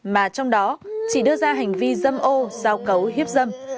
mà trong đó chỉ đưa ra hành vi dâm ô giao cấu hiếp dâm